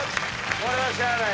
これはしゃあないわ。